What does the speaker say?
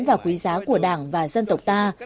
và quý giá của đảng và dân tộc ta